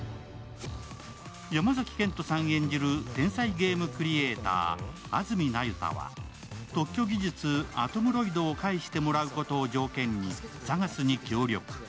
山崎賢人さん演じる天才ゲームクリエイター、安積那由他は特許技術アトムロイドを返してもらうことを条件にＳＡＧＡＳに協力。